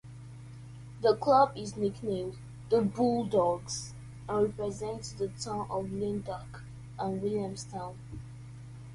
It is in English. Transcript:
The club is nicknamed the "Bulldogs" and represents the towns of Lyndoch and Williamstown.